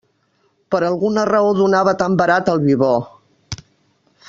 Per alguna raó donava tan barat el vi bo!